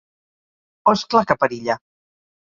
O és clar que perilla!